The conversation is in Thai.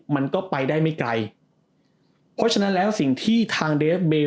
มันก็ไปได้ไม่ไกลเพราะฉะนั้นอะไรก็คือ